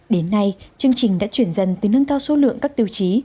đến nay chương trình đã chuyển dần từ nâng cao số lượng các tiêu chí